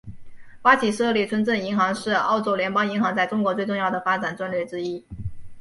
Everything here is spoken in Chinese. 发起设立村镇银行是澳洲联邦银行在中国最重要的发展战略之一。